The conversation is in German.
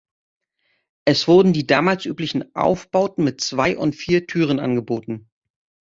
Es wurden die damals üblichen Aufbauten mit zwei und vier Türen angeboten.